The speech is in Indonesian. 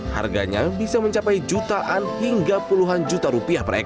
harganya bisa mencapai jutaan hingga puluhan juta rupiah per ekor